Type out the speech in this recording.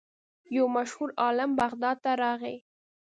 یو مشهور عالم بغداد ته راغی.